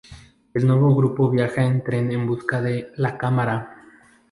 El nuevo grupo viaja en tren en busca de La Cámara.